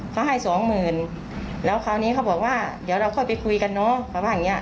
เขาให้สองหมื่นแล้วคราวนี้เขาบอกว่าเดี๋ยวเราค่อยไปคุยกันเนอะ